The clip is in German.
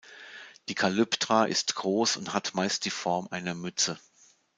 Die Kalyptra ist groß und hat meist die Form einer Mütze.